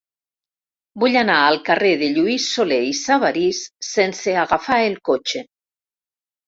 Vull anar al carrer de Lluís Solé i Sabarís sense agafar el cotxe.